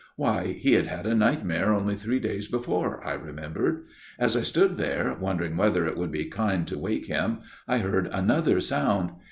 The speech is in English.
Why, he had had a nightmare only three days before, I remembered. As I stood there wonder ing whether it would be kind to wake him, I heard another sound.